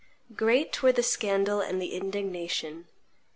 Great were the scandal and the indignation.